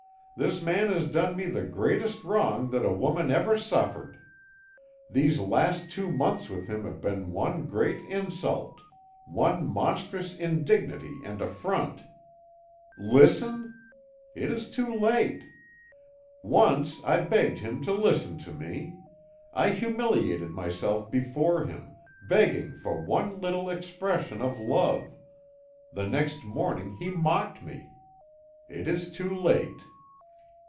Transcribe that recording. This man has done me the greatest wrong that a woman ever suffered. These last two months with him have been one great insult, one monstrous indignity and affront. Listen? It is too late. Once I begged him to listen to me. I humiliated myself before him, begging for one little expression of love the next morning he mocked me. It is too late."